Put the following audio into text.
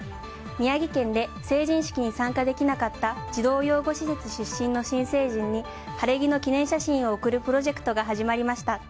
宮城県で成人式に参加できなかった児童養護施設出身の新成人に晴れ着の記念写真を贈るプロジェクトが始まりました。